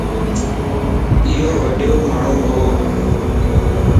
ايو وڏيو ماڻھون وَ